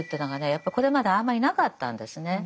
やっぱりこれまであまりなかったんですね。